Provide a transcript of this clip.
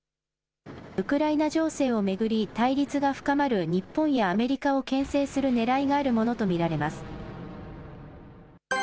ウクライナ情勢を巡り、対立が深まる日本やアメリカをけん制するねらいがあるものと見られます。